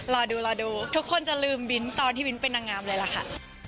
รอดูรอดูทุกคนจะลืมบิ้นตอนที่วินเป็นนางงามเลยล่ะค่ะ